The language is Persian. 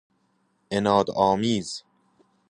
عنادآمیز